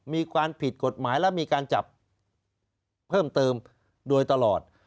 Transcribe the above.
มีความผิดกฎหมายและมีการจับเพิ่มเติมโดยตลอด